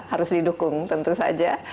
harus didukung tentu saja